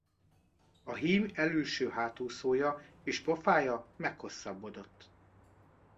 A hím elülső hátúszója és pofája meghosszabbodott.